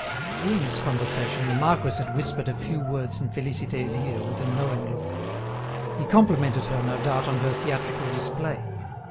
During this conversation, the marquis had whispered a few words in Félicité's ear with a knowing look. He complimented her, no doubt, on her theatrical display.